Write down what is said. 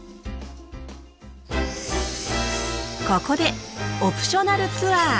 ここでオプショナルツアー。